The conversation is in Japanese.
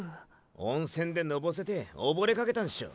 温泉でのぼせて溺れかけたんショ。